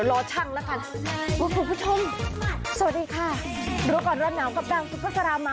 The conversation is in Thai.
โอ้ยตายแล้วเดี๋ยวรอช่างละกัน